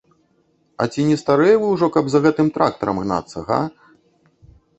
А ці не старыя вы ўжо, каб за тым трактарам гнацца, га?